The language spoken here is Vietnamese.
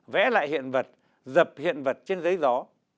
vẽ lại hiện vật dập hiện vật trên giấy gió